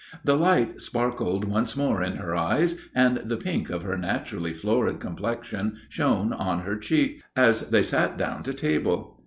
The light sparkled once more in her eyes and the pink of her naturally florid complexion shone on her cheek as they sat down to table.